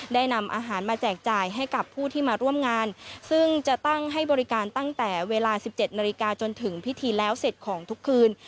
ได้นำอาหารมาแจกจ่ายให้กับผู้ที่มาร่วมงานซึ่งจะตั้งให้บริการตั้งแต่เวลา๑๗นาฬิกาจนถึงพิธีแล้วเสร็จของทุกคืน